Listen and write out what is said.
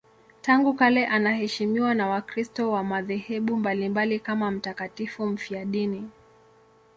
Tangu kale anaheshimiwa na Wakristo wa madhehebu mbalimbali kama mtakatifu mfiadini.